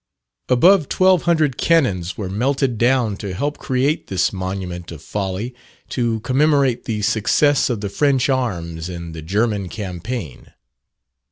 Above 1200 cannons were melted down to help to create this monument of folly, to commemorate the success of the French arms in the German Campaign.